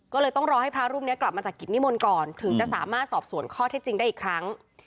ก็เลยต้องรอให้พระรูปนี้กลับมาจากกิจนิมนต์ก่อนถึงจะสามารถสอบสวนข้อเท็จจริงได้อีกครั้ง